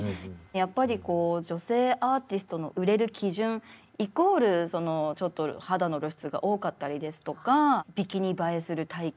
やっぱりこう女性アーティストの売れる基準イコールちょっと肌の露出が多かったりですとかビキニ映えする体型